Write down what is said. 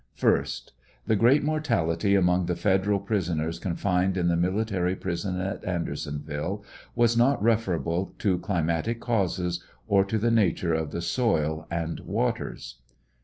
1st. The great mortality among the Federal prisoners confined in the military prison at Andersonville was not referable to climatic causes, or to the nature of the soil and waters.